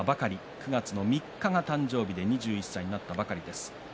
９月３日が誕生日で２１歳になったばかりです。